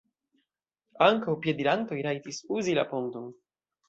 Ankaŭ piedirantoj rajtis uzi la ponton.